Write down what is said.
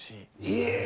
え。